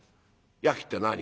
「やきって何？」